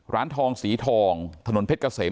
ร้านทองสีทองถนนเพชรเกษม